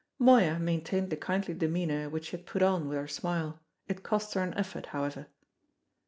Moya maintained the kindly demeanour which she had put on with her smile; it cost her an effort, however.